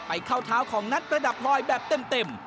เข้าเท้าของนัดประดับลอยแบบเต็ม